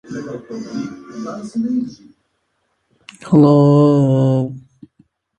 Play it exactly like that on the night!